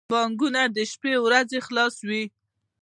بانکونه د شنبی په ورځ خلاص وی